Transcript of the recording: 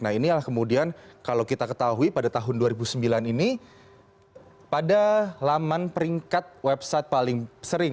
nah inilah kemudian kalau kita ketahui pada tahun dua ribu sembilan ini pada laman peringkat website paling sering